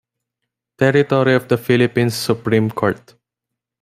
Territory of the Philippines Supreme Court.